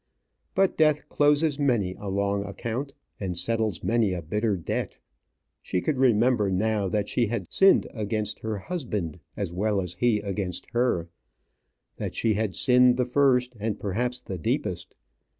But death closes many a long account, and settles many a bitter debt. She could remember now that she had sinned against her husband, as well as he against her; that she had sinned the first, and perhaps the deepest.